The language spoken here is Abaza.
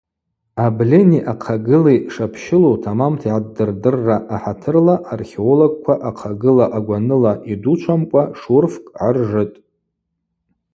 Абльыни ахъагыли шапщылу тамамта йгӏаддырдырра ахӏатырла археологква ахъагыла агваныла йдучвамкӏва шурфкӏ гӏаржытӏ.